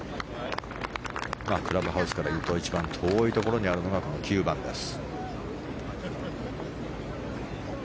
クラブハウスから遠いところにあるのがこの９番です。